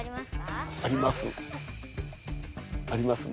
あります。